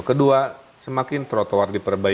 kedua semakin trotoar diperbaiki